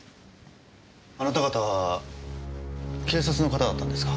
あなた方は警察の方だったんですか？